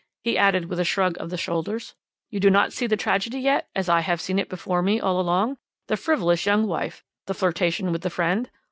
he added with a shrug of the shoulders, "you do not see the tragedy yet, as I have seen it before me all along. The frivolous young wife, the flirtation with the friend?